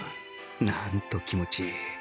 なんと気持ちいい